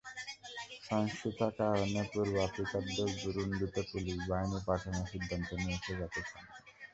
সহিংসতার কারণে পূর্ব আফ্রিকার দেশ বুরুন্ডিতে পুলিশ বাহিনী পাঠানোর সিদ্ধান্ত নিয়েছে জাতিসংঘ।